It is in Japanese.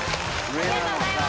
ありがとうございます。